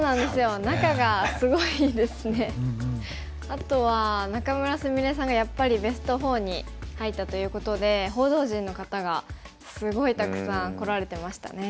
あとは仲邑菫さんがやっぱりベスト４に入ったということで報道陣の方がすごいたくさん来られてましたね。